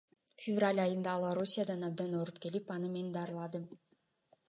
Февраль айында ал Орусиядан абдан ооруп келип, аны мен даарыладым.